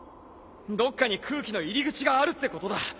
どっかに空気の入り口があるってことだ。